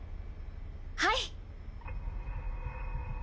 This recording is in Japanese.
はい。